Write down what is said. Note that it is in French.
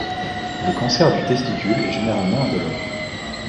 Le cancer du testicule est généralement indolore.